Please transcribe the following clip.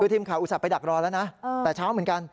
ทีมข่าวอุตส่าห์ไปดักรอแล้วนะแต่เช้าเหมือนกัน